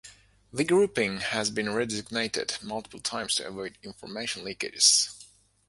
The grouping has been redesignated multiple times to avoid information leakages.